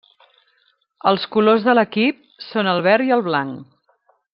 Els colors de l'equip són el verd i el blanc.